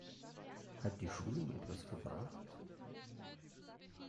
Hat die Schulung etwas gebracht?